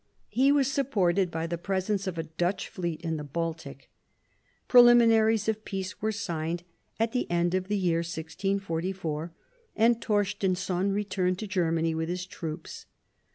He was supported by the presence of a Dutch fleet in the Baltic ; preliminaries of peace were signed at the end of the year 1644, and Torstenson returned to Germany with his troops.